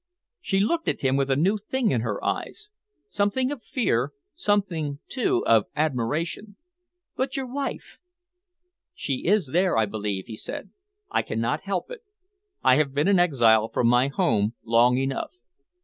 She looked at him with a new thing in her eyes something of fear, something, too, of admiration. "But your wife?" "She is there, I believe," he said. "I cannot help it. I have been an exile from my home long enough."